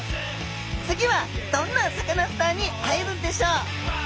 次はどんなサカナスターに会えるんでしょう？